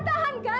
dan akhirnya apa